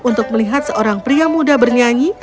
untuk melihat seorang pria muda bernyanyi